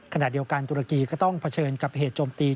ขณะเดียวกันตุรกีก็ต้องเผชิญกับเหตุโจมตี